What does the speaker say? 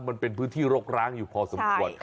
มันเป็นพื้นที่รกร้างอยู่พอสมควร